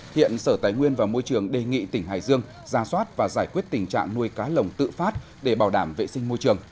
hiện sở tài nguyên và môi trường đề nghị tỉnh hải dương ra soát và giải quyết tình trạng nuôi cá lồng tự phát để bảo đảm vệ sinh môi trường